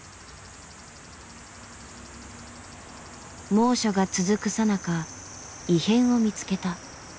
猛暑が続くさなか異変を見つけた。